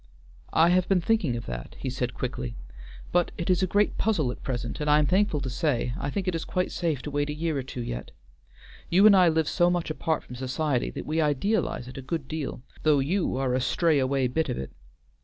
"I have been thinking of that," he said quickly, "but it is a great puzzle at present and I am thankful to say, I think it is quite safe to wait a year or two yet. You and I live so much apart from society that we idealize it a good deal, though you are a stray away bit of it.